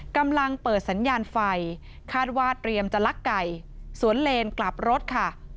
กำลังเปิดสัญญาณไฟคาดว่าเตรียมจะลักไก่สวนเลนกลับรถค่ะ